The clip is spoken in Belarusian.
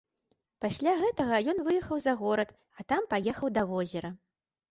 Пасля гэтага ён выехаў за горад, а там паехаў да возера.